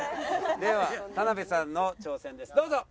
では田辺さんの挑戦ですどうぞ。